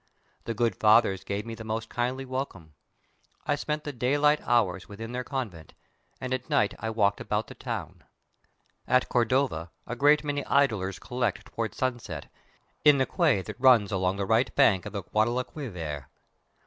The good fathers gave me the most kindly welcome. I spent the daylight hours within their convent, and at night I walked about the town. At Cordova a great many idlers collect, toward sunset, in the quay that runs along the right bank of the Guadalquivir.